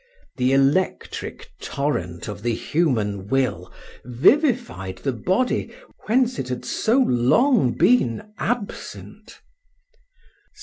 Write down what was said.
The electric torrent of the human will vivified the body whence it had so long been absent.